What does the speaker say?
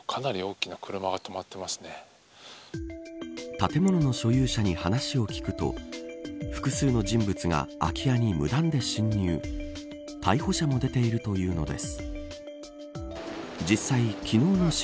建物の所有者に話を聞くと複数の人物が空き家に無断で侵入逮捕者も出ているというのです。